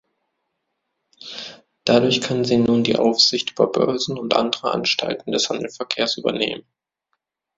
Dadurch kann sie nun die Aufsicht über Börsen und andere Anstalten des Handelsverkehrs übernehmen.